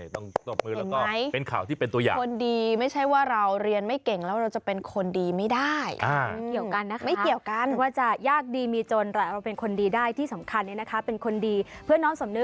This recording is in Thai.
ต้องปรบมือแล้วก็เป็นข่าวที่เป็นตัวอย่าง